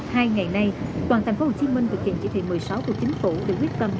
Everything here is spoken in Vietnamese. hai ngày nay toàn thành phố hồ chí minh thực hiện chí thị một mươi sáu của chính phủ